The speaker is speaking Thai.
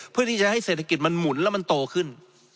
เพื่อที่จะให้เศรษฐกิจมันหมุนแล้วมันโตขึ้น